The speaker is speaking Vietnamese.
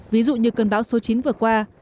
ví dụ như cơn bão số chín vừa qua